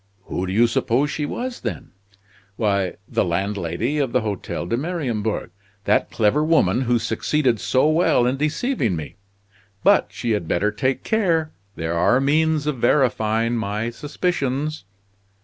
"Who do you suppose she was, then?" "Why, the landlady of the Hotel de Mariembourg that clever woman who succeeded so well in deceiving me. But she had better take care! There are means of verifying my suspicions."